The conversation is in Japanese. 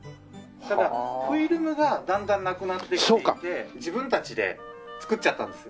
フィルムがだんだんなくなってきていて自分たちで作っちゃったんです。